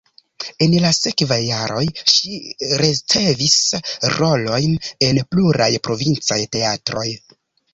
En la sekvaj jaroj ŝi ricevis rolojn en pluraj provincaj teatroj.